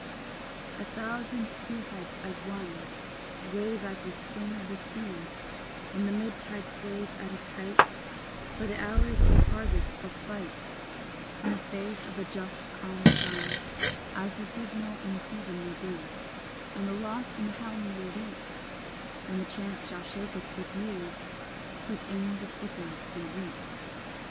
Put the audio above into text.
A thousand spear heads as one Wave as with swing of the sea When the mid tide sways at its height; For the hour is for harvest or fight In face of the just calm sun, As the signal in season may be And the lot in the helm may leap When chance shall shake it; but ye, Put in the sickles and reap.